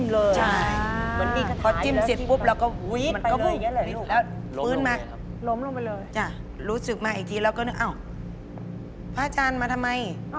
เราก็วี๊ดไปเลยแล้วพื้นมารู้สึกมาอีกทีเราก็นึกว่าพระอาจารย์มาทำไม